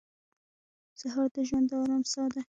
سهار د ژوند د ارام ساه ده.